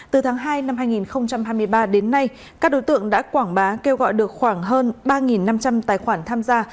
từ tháng hai năm hai nghìn hai mươi ba đến nay các đối tượng đã quảng bá kêu gọi được khoảng hơn ba năm trăm linh tài khoản tham gia